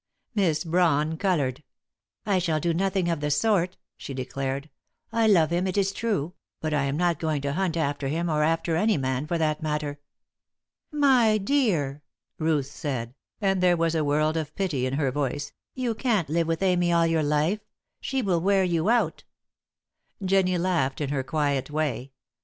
Miss Brawn coloured. "I shall do nothing of the sort," she declared. "I love him, it is true; but I am not going to hunt after him, or after any man, for that matter." "My dear," Ruth said, and there was a world of pity in her voice, "you can't live with Amy all your life she will wear you out!" Jennie laughed in her quiet way.